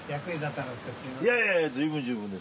いやいや十分十分です。